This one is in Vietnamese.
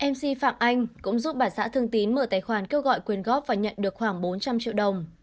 mc phạm anh cũng giúp bà xã thương tín mở tài khoản kêu gọi quyên góp và nhận được khoảng bốn trăm linh triệu đồng